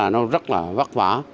nó rất là vất vả